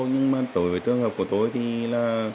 nhưng mà tối với tương hợp của tôi thì là